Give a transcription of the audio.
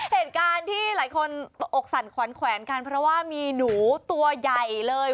เหตุการณ์ที่หลายคนอกสั่นขวัญแขวนกันเพราะว่ามีหนูตัวใหญ่เลย